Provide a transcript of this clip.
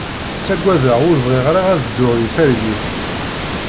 Ttagadeɣ ur bɣiɣ ara ad dduɣ deg targit.